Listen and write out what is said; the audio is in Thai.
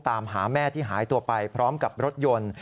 ตามหาแม่ที่หายตัวไปพร้อมกับรถยนต์